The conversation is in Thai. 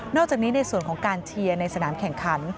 อกจากนี้ในส่วนของการเชียร์ในสนามแข่งขัน